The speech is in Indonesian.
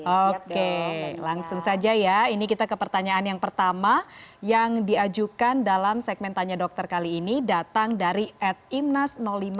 oke langsung saja ya ini kita ke pertanyaan yang pertama yang diajukan dalam segmen tanya dokter kali ini datang dari at imnas lima